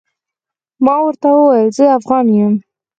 ما ورته وويل زه افغان يم.